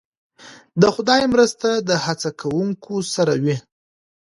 د خدای مرسته د هڅه کوونکو سره وي.